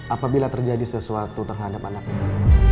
apabila terjadi sesuatu terhadap anak ini